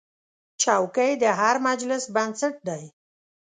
چوکۍ د هر مجلس بنسټ دی.